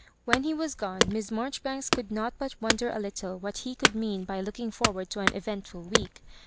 When he was gone, Miss Marjoribanks could not but wonder a little what he could mean by looking for^rard to an eventful week.